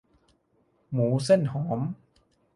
หมูเส้นหอม